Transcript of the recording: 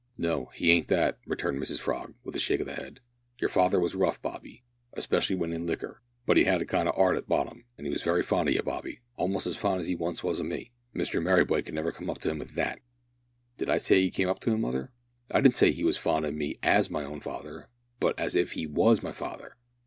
"No; he ain't that," returned Mrs Frog, with a shake of the head; "your father was rough, Bobby, specially w'en in liquor, but he 'ad a kind 'art at bottom, and he was very fond o' you, Bobby almost as fond as he once was o' me. Mr Merryboy could never come up to 'im in that." "Did I say he came up to him, mother? I didn't say he was as fond o' me as my own father, but as if he was my father.